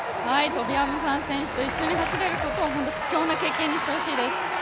トビ・アムサン選手と一緒に走れることを貴重な経験にしてほしいです。